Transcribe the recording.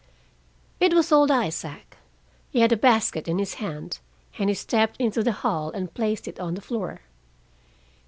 It was old Isaac. He had a basket in his hand, and he stepped into the hall and placed it on the floor.